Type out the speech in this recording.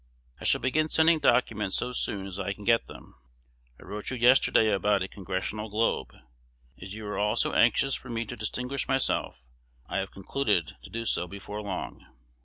I shall begin sending documents so soon as I can get them. I wrote you yesterday about a "Congressional Globe." As you are all so anxious for me to distinguish myself, I have concluded to do so before long.